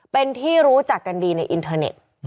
เป็นที่รู้จักกันดีในอินเทอร์เน็ต